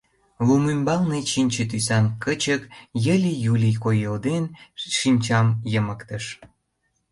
Лум ӱмбалне чинче тӱсан кычык, йыли-юли койылден, шинчам йымыктыш.